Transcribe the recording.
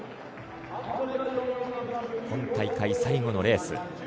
今大会、最後のレース。